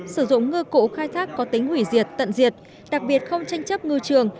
sử dụng ngư cụ khai thác có tính hủy diệt tận diệt đặc biệt không tranh chấp ngư trường